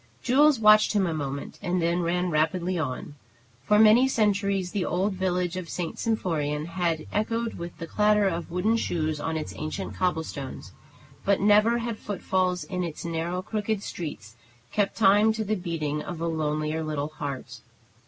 Jules watched him a moment, and then ran rapidly on. For many centuries the old village of St. Symphorien had echoed with the clatter of wooden shoes on its ancient cobblestones; but never had foot falls in its narrow, crooked streets kept time to the beating of a lonelier little heart.